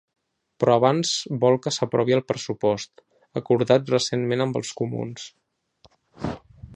Però abans vol que s’aprovi el pressupost, acordat recentment amb els comuns.